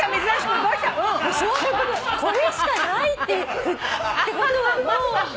これしかないってことはもう。